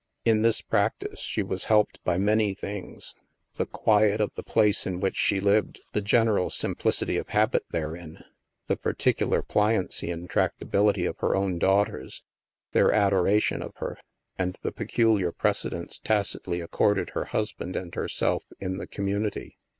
In this practice, she was helped by many things ; the quiet of the place in which she lived, the general simplicity of habit therein, the particular pliancy and tractability of her own daughters, their adoration of her, and the peculiar precedence tacitly accorded her husband and herself in the com munity.